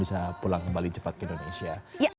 bisa pulang kembali cepat ke indonesia